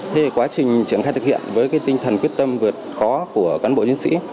thế thì quá trình triển khai thực hiện với cái tinh thần quyết tâm vượt khó của cán bộ nhân sĩ